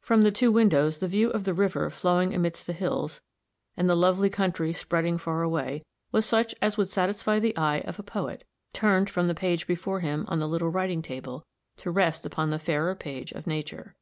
From the two windows, the view of the river flowing amidst the hills, and the lovely country spreading far away, was such as would satisfy the eye of a poet, turned from the page before him on the little writing table, to rest upon the fairer page of nature.